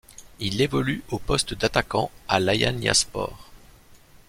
Il évolue au poste d'attaquant à l'Alanyaspor.